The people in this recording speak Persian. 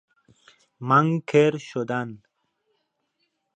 منکر شدن